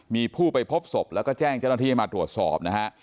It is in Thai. มีผู้ไปพบศพแล้วก็แจ้งเจ้าหน้าที่ให้มาตรวจสอบนะฮะ